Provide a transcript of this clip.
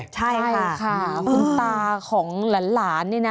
ใช่ค่ะคุณตาของหลานนี่นะ